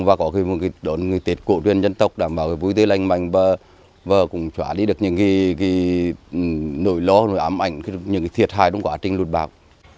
và có khi đón người tết cổ tuyên dân tộc đảm bảo vui tươi lành mạnh và cũng trả lý được những nỗi lo nỗi ám ảnh những thiệt hại đúng quá trình lụt bạc